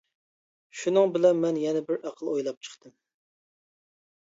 شۇنىڭ بىلەن مەن يەنە بىر ئەقىل ئويلاپ چىقتىم.